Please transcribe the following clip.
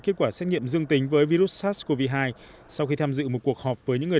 kết quả xét nghiệm dương tính với virus sars cov hai sau khi tham dự một cuộc họp với những người